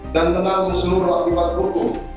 dan menanggung seluruh akibat hukum